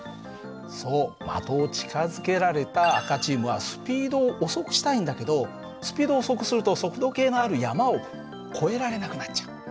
そう的を近づけられた赤チームはスピードを遅くしたいんだけどスピードを遅くすると速度計のある山を越えられなくなっちゃう。